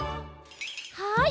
はい。